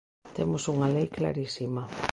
Temos unha lei clarísima.